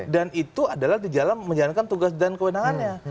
dan itu adalah di dalam menjalankan tugas dan kewenangannya